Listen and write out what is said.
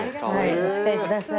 お使いください。